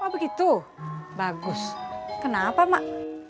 oh begitu bagus kenapa mak